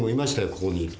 ここに。